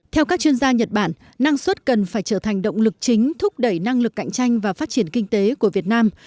theo các chuyên gia nhật bản năng suất cần phải trở thành động lực chính thúc đẩy năng lực cạnh tranh và phát triển kinh tế của việt nam